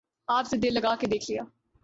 آپ سے دل لگا کے دیکھ لیا